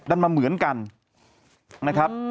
ดันมาเหมือนกันนะครับ